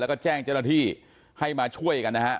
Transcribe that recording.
แล้วก็แจ้งเจ้าหน้าที่ให้มาช่วยกันนะฮะ